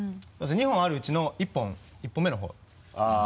２本あるうちの１本１本目の方なので。